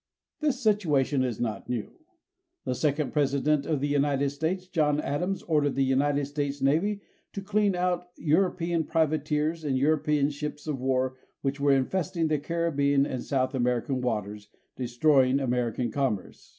This situation is not new. The second President of the United States, John Adams, ordered the United States Navy to clean out European privateers and European ships of war which were infesting the Caribbean and South American waters, destroying American commerce.